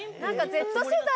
Ｚ世代